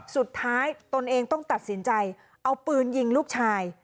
ตนเองต้องตัดสินใจเอาปืนยิงลูกชาย